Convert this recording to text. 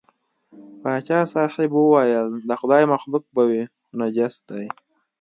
پاچا صاحب وویل د خدای مخلوق به وي خو نجس دی.